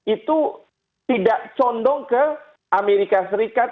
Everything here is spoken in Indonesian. itu tidak condong ke amerika serikat